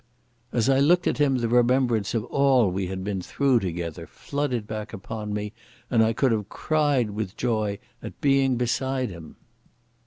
As I looked at him the remembrance of all we had been through together flooded back upon me, and I could have cried with joy at being beside him.